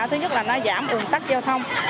thứ nhất là nó giảm ứng tắc giao thông